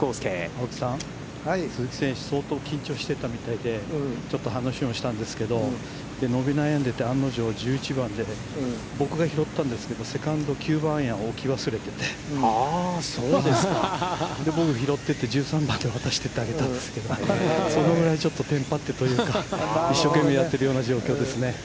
青木さん、鈴木選手、相当、緊張していたみたいでで、ちょっと話もしたんですけど、伸び悩んでて、案の定、１１番で僕が拾ったんですけど、セカンド、９番アイアンを置き忘れて僕、拾っていって、１３番で渡してあげたんですけど、そのぐらい、ちょっとテンパってというか、一生懸命やっているような状況ですね。